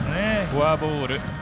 フォアボール。